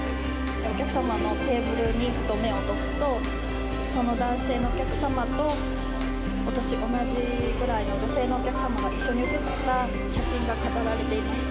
お客様のテーブルにふと目を落とすと、その男性のお客様とお年、同じくらいの女性のお客様が一緒に写った写真が飾られていました。